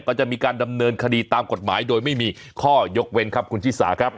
ก็จะมีการดำเนินคดีตามกฎหมายโดยไม่มีข้อยกเว้นครับคุณชิสาครับ